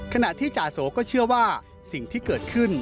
ขณะที่จาโสก็เชื่อว่าสิ่งที่เกิดขึ้น